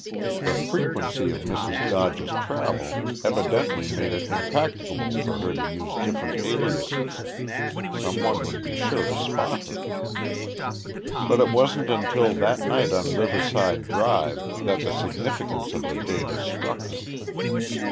The frequency of Mrs. Dodge's travel evidently made it impracticable for her to use different aliases. Some one would be sure to spot her. "But it wasn't until that night on Riverside Drive that the significance of the data struck him.